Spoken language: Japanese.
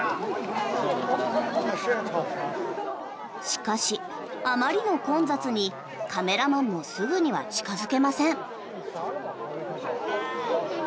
しかし、あまりの混雑にカメラマンもすぐには近付けません。